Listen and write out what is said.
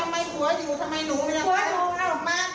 แม่ป่อมลูกจนที่นาทีสุดท้าย